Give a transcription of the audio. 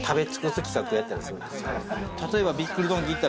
例えば。